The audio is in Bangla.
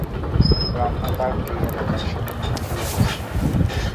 রমনা পার্ক এই এলাকার সীমানার মধ্যেই অবস্থিত।